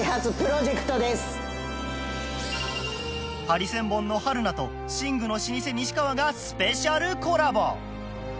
ハリセンボンの春菜と寝具の老舗西川がスペシャルコラボ！